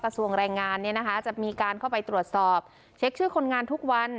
กระทรวงแรงงานเนี่ยนะคะจะมีการเข้าไปตรวจสอบเช็คชื่อคนงานทุกวัน